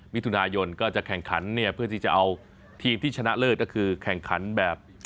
มิถุนายนก็จะแข่งขันเนี่ยเพื่อที่จะเอาทีมที่ชนะเลิศก็คือแข่งขันแบบ